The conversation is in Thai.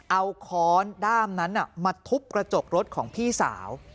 เอาค้อนด้ามนั้นมาทุบกระจกรถของพี่สาว